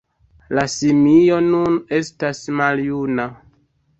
La simio nun estas maljuna.